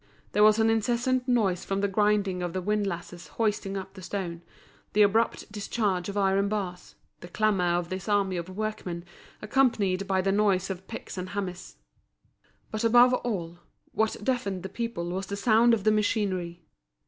There was an incessant noise from the grinding of the windlasses hoisting up the stone, the abrupt discharge of iron bars, the clamour of this army of workmen, accompanied by the noise of picks and hammers. But above all, what deafened the people was the sound of the machinery.